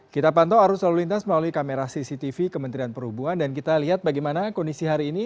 kita pantau arus lalu lintas melalui kamera cctv kementerian perhubungan dan kita lihat bagaimana kondisi hari ini